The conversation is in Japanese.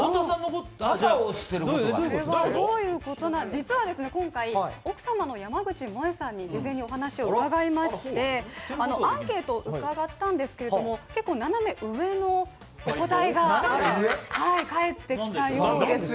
実は今回、奥様の山口もえさんに事前にお話を伺いまして、アンケート伺ったんですけれども、結構斜め上のお答えが返ってきたようです。